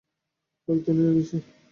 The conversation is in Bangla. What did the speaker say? কয়েক দিনের বেশি?